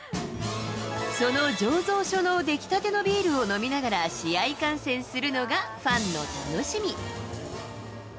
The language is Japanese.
その醸造所の出来たてのビールを飲みながら試合観戦するのがファンの楽しみ。